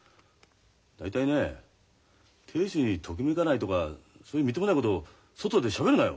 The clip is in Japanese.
大体ね亭主にときめかないとかそういうみっともないこと外でしゃべるなよ！